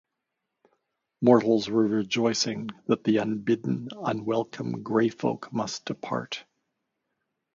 Mortals were rejoicing that the unbidden, unwelcome grey-folk must depart.